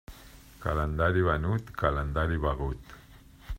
Calendari venut, calendari begut.